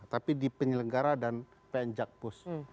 tapi di penyelenggara dan pn jakpus